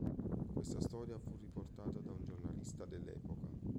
Questa storia fu riportata da un giornalista dell'epoca.